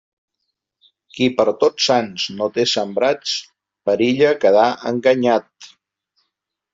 Qui per Tots Sants no té sembrats, perilla quedar enganyat.